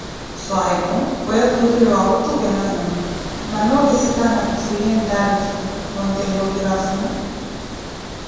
Swayipwu, weeyo tuutule owuuttuvela nyama, mmana okisikana kifhwiye ntarikhi, ontteela okirafhuna?